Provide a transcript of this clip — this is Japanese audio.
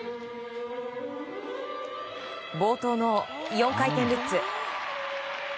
冒頭の４回転ルッツ。